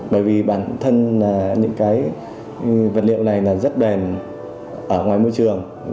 bởi vì bản thân là những cái vật liệu này là rất bền ở ngoài môi trường